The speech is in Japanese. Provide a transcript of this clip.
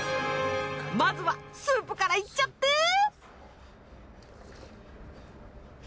まずはスープからいっちゃって。